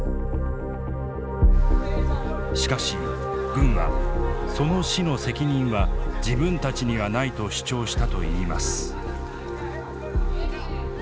しかし軍はその死の責任は自分たちにはないと主張したといいます。